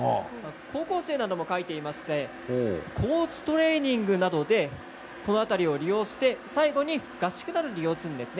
高校生なども書いていまして高地トレーニングなどでこの辺りを利用して最後に合宿などで利用するんです。